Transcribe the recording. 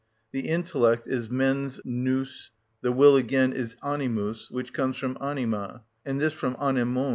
The intellect is mens, νους; the will again is animus, which comes from anima, and this from ανεμων.